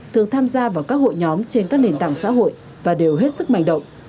thường tham gia vào các hội nhóm trên các nền tảng xã hội và đều hết sức manh động